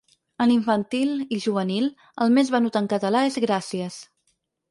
En infantil i juvenil, el més venut en català és Gràcies.